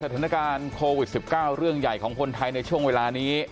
สถานการณ์โควิด๑๙เรื่องใหญ่ของคนไทยในช่วงเวลานี้